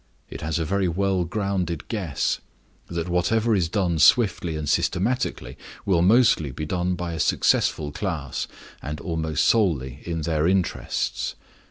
It has a very well grounded guess that whatever is done swiftly and systematically will mostly be done by a successful class and almost solely in their interests.